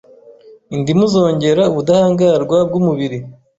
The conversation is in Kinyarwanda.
Indimu zongera ubudahangarwa bw’umubiri